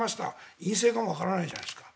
院政かもわからないじゃないですか。